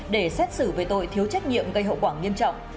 để xét xử về tội thiếu trách nhiệm gây hậu quả nghiêm trọng